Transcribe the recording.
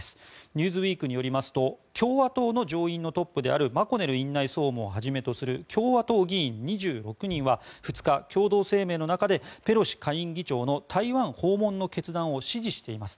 「ニューズウィーク」によりますと共和党の乗員のトップであるマコネル院内総務をはじめとする共和党議員２６人は２日共同声明の中でペロシ下院議長の台湾訪問の決断を支持しています。